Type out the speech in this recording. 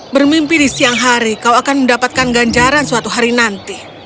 bermimpi di siang hari kau akan mendapatkan ganjaran suatu hari nanti